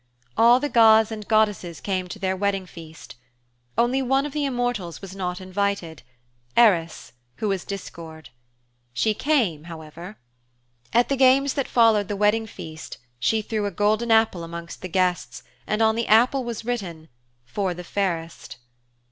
All the gods and goddesses came to their wedding feast, Only one of the immortals was not invited Eris, who is Discord. She came, however. At the games that followed the wedding feast she threw a golden apple amongst the guests, and on the apple was written "For the fairest."